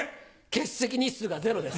欠席日数がゼロです。